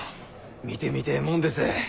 見てみてぇもんです。